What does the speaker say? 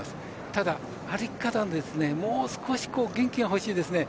ただ、歩き方がもう少し元気がほしいですね。